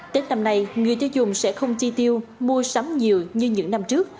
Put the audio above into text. tết năm nay người tiêu dùng sẽ không chi tiêu mua sắm nhiều như những năm trước